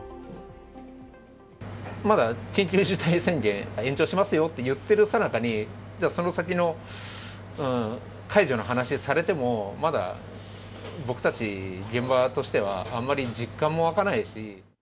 まだ緊急事態宣言、延長しますよって言ってるさなかに、じゃあ、その先の解除の話されても、まだ、僕たち、現場としては、あんまり実感も湧かないし。